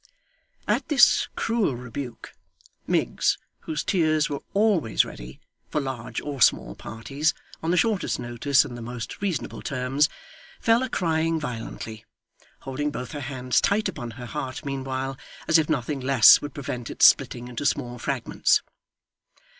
At this cruel rebuke, Miggs, whose tears were always ready, for large or small parties, on the shortest notice and the most reasonable terms, fell a crying violently; holding both her hands tight upon her heart meanwhile, as if nothing less would prevent its splitting into small fragments.